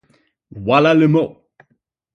Voilà le mot !